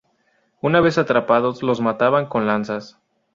Una vez atrapados, los mataban con lanzas.